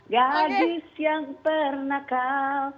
gadis yang pernah kau